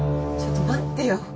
ちょっと待ってよ。